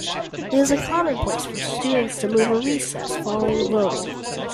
It is commonplace for students to move a recess following voting.